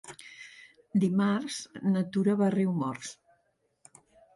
Dimarts na Tura va a Riumors.